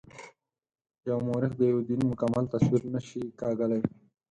یو مورخ د یوه دین مکمل تصویر نه شي کاږلای.